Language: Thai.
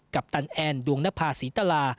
ปตันแอนดวงนภาษีตลา